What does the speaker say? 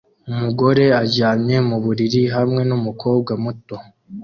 Umugore aryamye mu buriri hamwe n'umukobwa muto